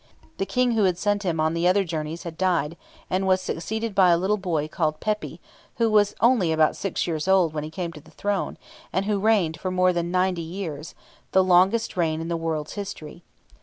The King who had sent him on the other journeys had died, and was succeeded by a little boy called Pepy, who was only about six years old when he came to the throne, and who reigned for more than ninety years the longest reign in the world's history.